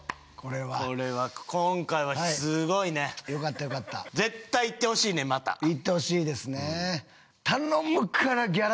これは今回はすごいねよかったよかった絶対行ってほしいねまた行ってほしいですね